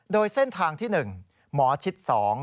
โดยเส้นทางที่๑หมอชิด๒